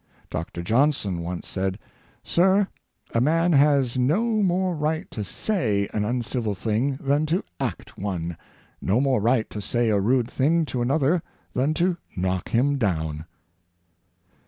Dr. Johnson once said: " Sir, a man has no more right to say an uncivil thing than to act one — no more right to say a rude thing to another than to knock him down."